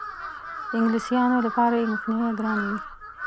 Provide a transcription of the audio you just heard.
انګلیسیانو لپاره یې مخنیوی ګران وي.